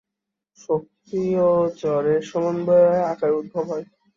শক্তি ও জড়ের সমন্বয়ে আকারের উদ্ভব হয়।